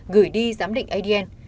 gửi đi giám định adn